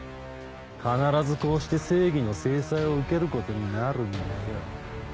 必ずこうして正義の制裁を受けることになるんだよ。